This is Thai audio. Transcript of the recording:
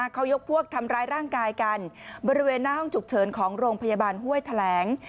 เขายกพวกทำร้ายร่างกายกันบริเวณหน้าห้องฉุกเฉินของโรงพยาบาลห้วยแถลง